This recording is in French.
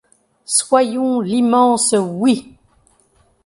Soyons l’immense Oui.